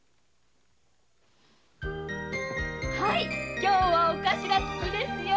今日はお頭つきですよ！